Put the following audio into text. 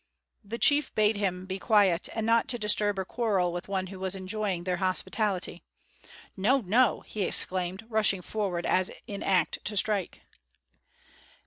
The chief bade him be quiet, and not to disturb or quarrel with one who was enjoying their hospitality. "No, no," he exclaimed, rushing forward as in act to strike.